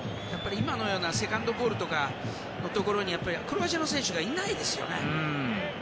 今のようなセカンドボールのところにクロアチアの選手がいないんですよね。